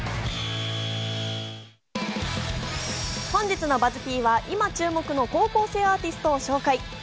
本日のＢＵＺＺ−Ｐは今注目の高校生アーティストを紹介。